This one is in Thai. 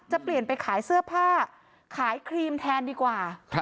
จะเปลี่ยนไปขายเสื้อผ้าขายครีมแทนดีกว่า